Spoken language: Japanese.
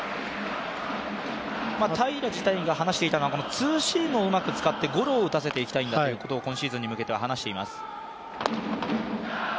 平良自体が話していたのは、ツーシームをうまく使ってゴロを打たせていきたいんだということを、今シーズンに向けては話しています。